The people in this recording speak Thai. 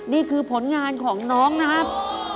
นี่คือผลงานของน้องนะครับ